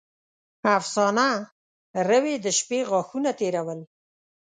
افسانه: روې د شپې غاښونه تېرول.